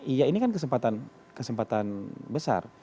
iya ini kan kesempatan besar